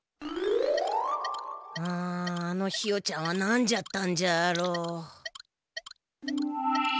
うんあのひよちゃんはなんじゃったんじゃろう。